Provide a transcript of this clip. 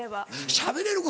しゃべれるか？